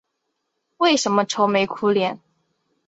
为什么愁眉苦脸？